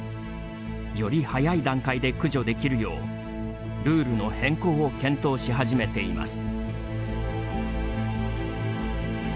より早い段階で駆除できるようルールの変更を検討し始めています。